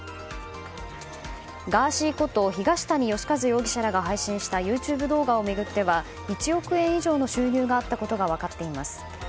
ガーシーこと東谷義和容疑者らが配信したＹｏｕＴｕｂｅ動画を巡っては１億円以上の収入があったことが分かっています。